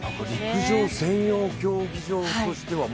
陸上専用競技場としては、。